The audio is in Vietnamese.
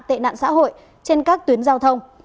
tệ nạn xã hội trên các tuyến giao thông